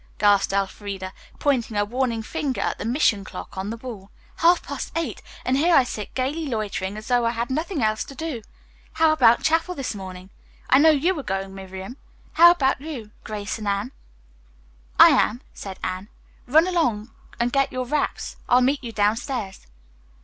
gasped Elfreda, pointing a warning finger at the mission clock on the wall. "Half past eight, and here I sit gayly loitering as though I had nothing else to do. How about chapel this morning? I know you are going, Miriam. How about you, Grace and Anne?" "I am," said Anne. "Run along and get your wraps. I'll meet you downstairs."